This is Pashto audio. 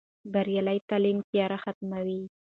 بریالی تعلیم تیارې ختموي.